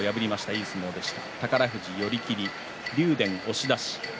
いい相撲でした。